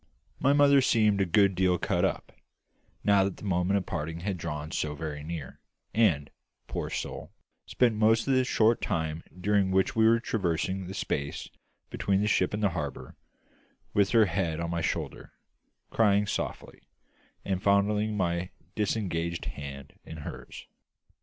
My mother seemed a good deal cut up, now that the moment of parting had drawn so very near, and poor soul spent most of the short time during which we were traversing the space between the ship and the harbour, with her head on my shoulder, crying softly, and fondling my disengaged hand in hers.